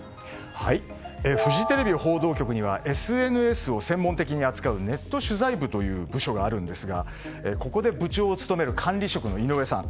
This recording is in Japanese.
フジテレビ報道局にはＳＮＳを専門的に扱うネット取材部という部署があるんですがここで部長を務める管理職の井上さん